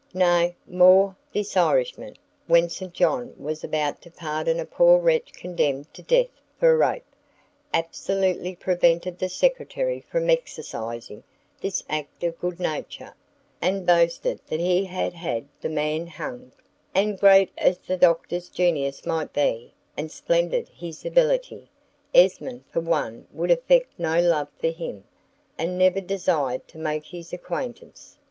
Nay, more, this Irishman, when St. John was about to pardon a poor wretch condemned to death for rape, absolutely prevented the Secretary from exercising this act of good nature, and boasted that he had had the man hanged; and great as the Doctor's genius might be, and splendid his ability, Esmond for one would affect no love for him, and never desired to make his acquaintance.